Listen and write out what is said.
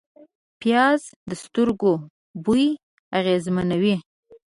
پیاز د سترګو بوی اغېزمنوي